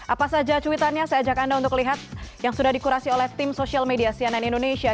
apa saja cuitannya saya ajak anda untuk lihat yang sudah dikurasi oleh tim sosial media cnn indonesia